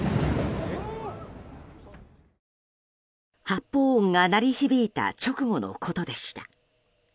発砲音が鳴り響いた直後のことでした。